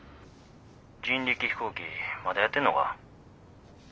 人力飛行機まだやってんのか。